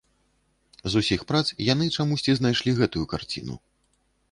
З усіх прац яны чамусьці знайшлі гэтую карціну.